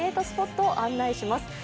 スポットを案内します。